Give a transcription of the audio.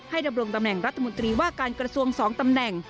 ดำรงตำแหน่งรัฐมนตรีว่าการกระทรวง๒ตำแหน่ง